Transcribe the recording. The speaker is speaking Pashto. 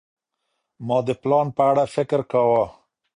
ما د پلان په اړه فکر کاوه.